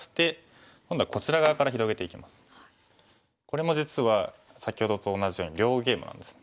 これも実は先ほどと同じように両ゲイマなんです。